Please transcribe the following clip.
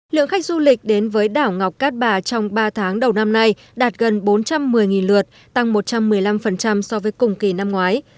lượng khách du lịch đến với đảo ngọc cát bà trong ba tháng đầu năm nay đạt gần bốn trăm một mươi lượt tăng một trăm một mươi năm so với cùng kỳ năm ngoái